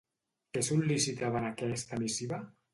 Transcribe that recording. Què sol·licitava en aquesta missiva?